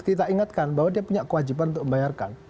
kita ingatkan bahwa dia punya kewajiban untuk membayarkan